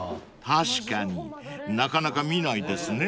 ［確かになかなか見ないですね］